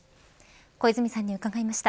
小泉さんに伺いました。